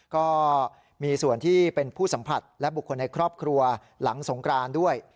ก็มีส่วนที่เป็นผู้สัมผัสและบุคคลในครอบครัวหลังสงกรานด้วย